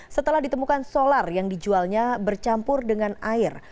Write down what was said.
setelah ditemukan solar yang dijualnya bercampur dengan air